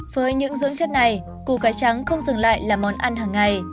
với những dưỡng chất này củ cái trắng không dừng lại là món ăn hằng ngày